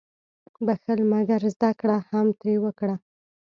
• بخښل، مګر زده کړه هم ترې وکړه.